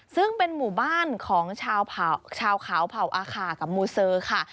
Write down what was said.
ซึ่งเป็นหมู่บ้านของชาวเขาเผ่าอาคากับมูเซอร์ค่ะ